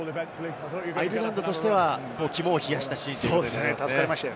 アイルランドとしては肝を冷やしたシーンでした。